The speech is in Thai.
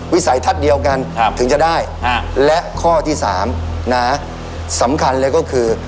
วิสัยทัศน์เดียวกันถึงจะได้และข้อที่๓นะสำคัญเลยก็คือ